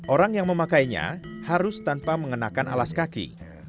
orang yang memakainya harus tanpa mengenakan alas kaki